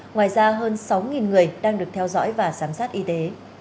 ngoài ra hơn sáu người đang được theo dõi và giám sát y tế